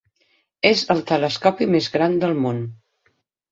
És el telescopi més gran del món.